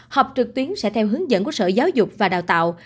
học trực tuyến sẽ theo hướng dẫn của sở giáo dục và đào tạo